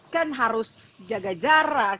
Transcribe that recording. kan harus jaga jarak